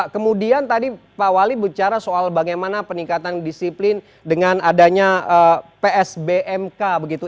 kemudian tadi pak wali bicara soal bagaimana peningkatan disiplin dengan adanya psbmk begitu